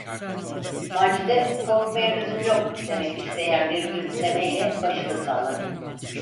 Macide, korkmaya lüzum yok, demek isteyen bir gülümseme ile başını salladı.